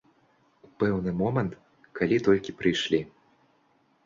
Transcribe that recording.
У пэўны момант, калі толькі прыйшлі.